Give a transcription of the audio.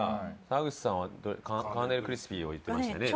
沢口さんはカーネルクリスピーを言ってましたね。